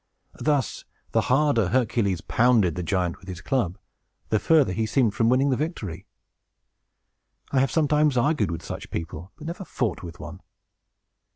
Thus, the harder Hercules pounded the giant with his club, the further he seemed from winning the victory. I have sometimes argued with such people, but never fought with one.